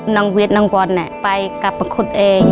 น้องเวียดน้องวรไปกับประคุณเอง